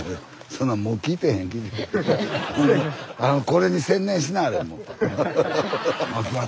これに専念しなはれもう。